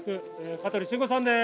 香取慎吾さんです！